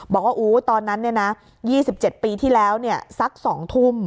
บอกว่าอู้ตอนนั้นเนี่ยนะ๒๗ปีที่แล้วเนี่ยสัก๒ทุ่ม